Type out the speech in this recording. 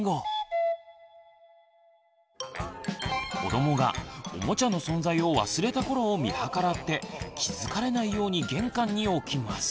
子どもがおもちゃの存在を忘れた頃を見計らって気付かれないように玄関に置きます。